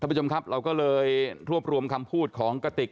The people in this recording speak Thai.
ผู้ชมครับเราก็เลยรวบรวมคำพูดของกติก